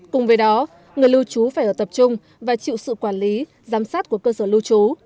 cùng với đó người lưu trú phải ở tập trung và chịu sự quản lý giám sát của cơ sở lưu trú